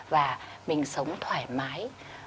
và mình sống thoải mái